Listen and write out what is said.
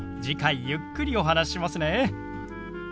次回ゆっくりお話ししますね。